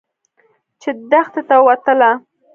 چې دښتې ته وتله.